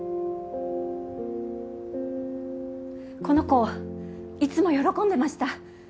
この子いつも喜んでました。